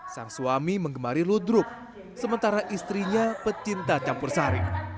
sang suami mengemari ludruk sementara istrinya pecinta campur sari